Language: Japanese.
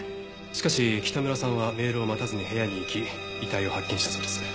しかし北村さんはメールを待たずに部屋に行き遺体を発見したそうです。